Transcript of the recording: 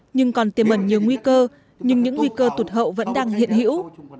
nhưng còn tiềm ẩn nhiều nguy cơ nhưng những nguy cơ tụt hậu vẫn đang hiện hữu